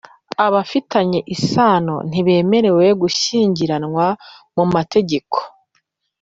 Abafitanye isano ntibemerewe gushyigiranwa mu mategeko